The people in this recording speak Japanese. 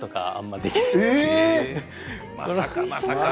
まさかまさか。